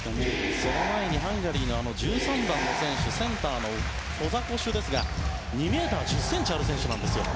その前にハンガリーの１３番の選手センターの選手ですが２ｍ１０ｃｍある選手です。